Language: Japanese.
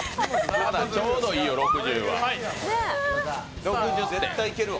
ちょうどいいよ、６０わ。